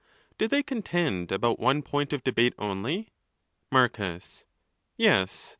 dothey contend about one point of debate 'only ¢ 3 Mareus.—Yes.